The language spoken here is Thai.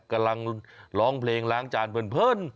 กำลังร้องเพลงล้างจานเพลิน